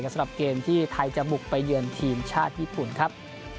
สำหรับเกมที่ไทยจะบุกไปเยือนทีมชาติญี่ปุ่นครับ